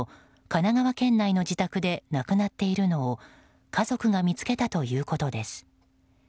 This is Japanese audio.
神奈川県内の自宅で亡くなっているのを家族が見つけたということです。